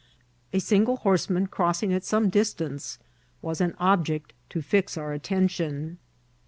A single horseman crossing at some distance was an object to fix our attention.